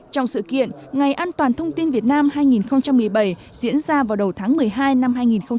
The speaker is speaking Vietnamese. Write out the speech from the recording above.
trong sự kiện ngày an toàn thông tin việt nam hai nghìn một mươi bảy diễn ra vào đầu tháng một mươi hai năm hai nghìn một mươi chín